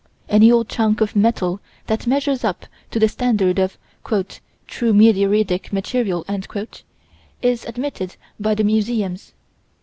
Any old chunk of metal that measures up to the standard of "true meteoritic material" is admitted by the museums.